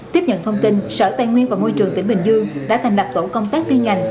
tiếp nhận thông tin sở tài nguyên và môi trường tỉnh bình dương đã thành lập tổ công tác liên ngành